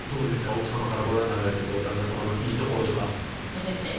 奥さまからご覧になられて旦那さまのいいところとかそうですね